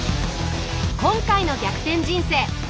今回の「逆転人生」。